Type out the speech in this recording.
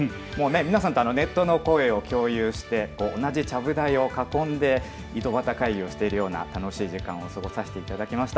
皆さんとネットの声を共有して同じちゃぶ台を囲んで井戸端会議をしているような楽しい時間を過ごさせていただきました。